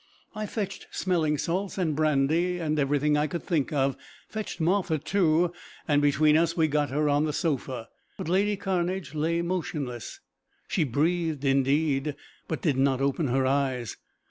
I fetched smelling salts and brandy, and everything I could think of fetched Martha too, and between us we got her on the sofa, but lady Cairnedge lay motionless. She breathed indeed, but did not open her eyes.